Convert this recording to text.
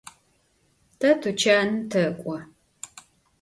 Te tuçanım tek'o.